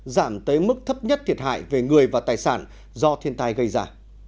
giảm tới mức thấp nhất thiệt hại về người và tài sản do thiên tai gây ra